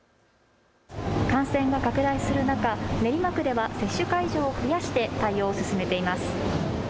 感染が拡大する中、練馬区では接種会場を増やして対応を進めています。